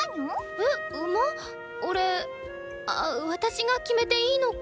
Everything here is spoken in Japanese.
おれあっ私が決めていいのか？